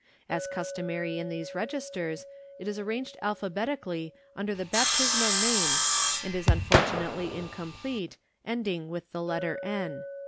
As customary in these registers it is arranged alphabetically under the baptismal names and is unfortu nately incomplete, ending with the letter N.